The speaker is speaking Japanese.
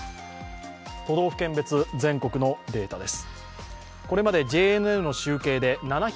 都道府県別、全国のデータです。